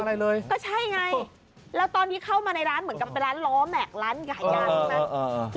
ก็ใช่ไงแล้วตอนที่เข้ามาในร้านเหมือนกับร้านล้อแมกร้านขายด้าน